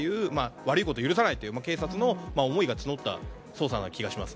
悪いことは許さないという警察の思いが募った捜査な気がします。